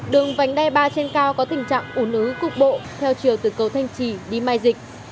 đường vành đe ba trên cao có tình trạng ồn ứ cục bộ theo chiều từ cầu thanh trì đi mai dịch